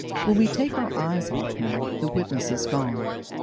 When we take our eyes off Him, the witness is gone.